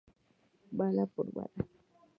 Bala por bala.